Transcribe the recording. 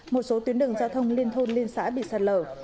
một số tuyến đường giao thông liên thôn liên xã bị sạt lở